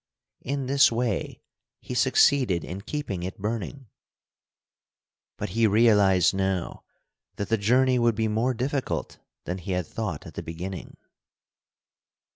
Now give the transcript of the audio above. In this way he succeeded in keeping it burning; but he realized now that the journey would be more difficult than he had thought at the beginning.